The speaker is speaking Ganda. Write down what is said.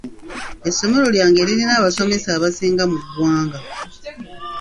Essomero lyange lirina abasomesa abasinga mu ggwanga.